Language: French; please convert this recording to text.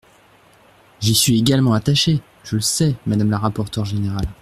J’y suis également attachée ! Je le sais, madame la rapporteure générale.